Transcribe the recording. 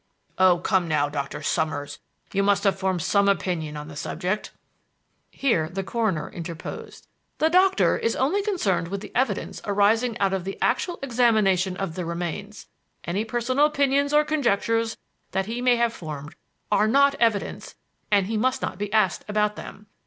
"Oh, come now, Doctor Summers, you must have formed some opinion on the subject." Here the coroner interposed. "The Doctor is only concerned with the evidence arising out of the actual examination of the remains. Any personal opinions or conjectures that he may have formed are not evidence, and he must not be asked about them."